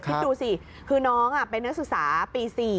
คิดดูสิคือน้องเป็นนักศึกษาปี๔